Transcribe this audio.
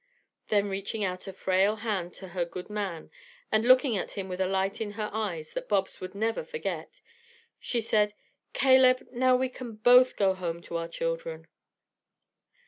Then reaching out a frail hand to her "good man," and looking at him with a light in her eyes that Bobs would never forget, she said: "Caleb, now we can both go home to our children."